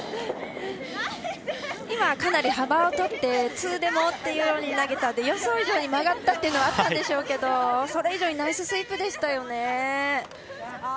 今、かなり幅をとってツーでもというところで投げたら予想以上に曲がったっていうのはあったんでしょうけれどそれ以上にナイススイープでしたね。